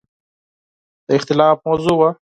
د اختلاف موضوع وه.